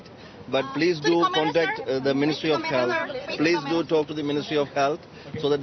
tapi silakan berbicara dengan kementerian kesehatan